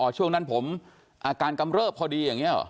ช่วงนั้นผมอาการกำเริบพอดีอย่างนี้หรอ